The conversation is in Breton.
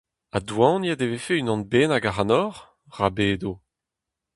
Ha doaniet e vefe unan bennak ac’hanoc’h ? Ra bedo.